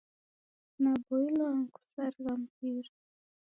Naboilwaa ni kusarigha mpira.